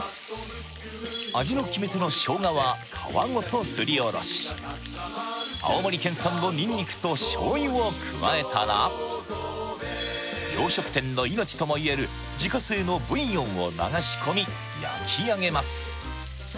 味の決め手の青森県産のニンニクと醤油を加えたら洋食店の命ともいえる自家製のブイヨンを流し込み焼き上げます